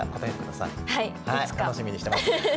楽しみにしてます。